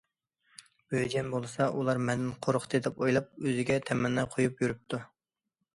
بۆجەن بولسا، ئۇلار مەندىن قورقتى، دەپ ئويلاپ، ئۆزىگە تەمەننا قويۇپ يۈرۈپتۇ.